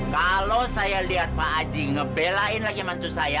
kalau saya lihat pak haji ngebelain lagi mantu saya